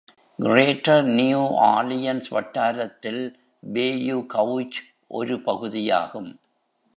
greater New Orleans வட்டாரத்தில் Bayou Gauche ஒரு பகுதியாகும்